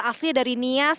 aslinya dari nias